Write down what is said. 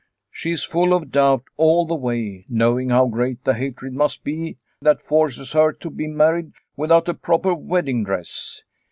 She is full of doubt all the way, knowing how great the hatred must be that forces her to be married without a proper wedding dress.